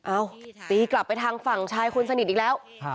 ตีกลับไปทางฝั่งชายคนสนิทอีกแล้ว